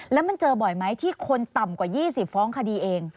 แล้วมันเจอบ่อยไหมที่คนต่ำกว่า๒๐ฟ้องคดีเอง